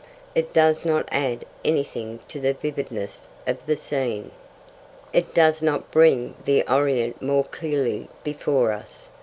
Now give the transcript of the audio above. It does not add anything to the vividness of the scene. It does not bring the Orient more clearly before us.